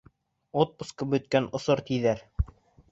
Отпускы бөткән осор, тиҙәр.